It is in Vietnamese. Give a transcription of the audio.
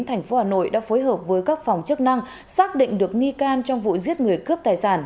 thành phố hà nội đã phối hợp với các phòng chức năng xác định được nghi can trong vụ giết người cướp tài sản